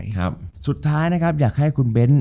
จบการโรงแรมจบการโรงแรม